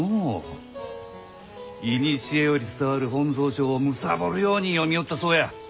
いにしえより伝わる本草書をむさぼるように読みよったそうや。